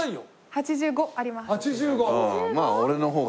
８５。